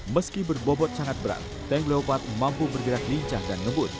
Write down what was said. meski berbobot sangat berat tank leopard mampu bergerak lincah dan ngebut